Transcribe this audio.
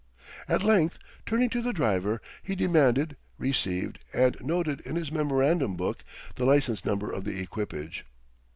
At length, turning to the driver, he demanded, received, and noted in his memorandum book, the license number of the equipage.